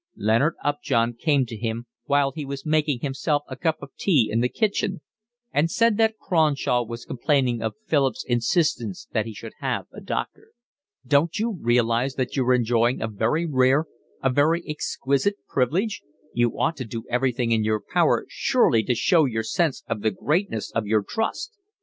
Leonard Upjohn came to him, while he was making himself a cup of tea in the kitchen, and said that Cronshaw was complaining of Philip's insistence that he should have a doctor. "Don't you realise that you're enjoying a very rare, a very exquisite privilege? You ought to do everything in your power, surely, to show your sense of the greatness of your trust."